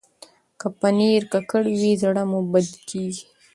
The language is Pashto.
که پنېر ککړ وي، زړه مو بد کېږي.